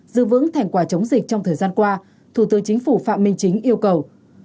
giữ vững thành quả chống dịch trong thời gian qua thủ tướng chính phủ phạm minh chính yêu cầu